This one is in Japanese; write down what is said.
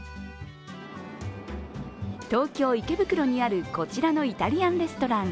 東京・池袋にあるこちらのイタリアンレストラン。